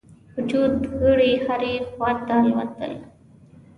وجود غړي هري خواته الوتل.